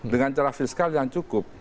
dengan cara fiskal yang cukup